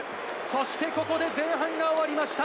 そして、ここで前半が終わりました。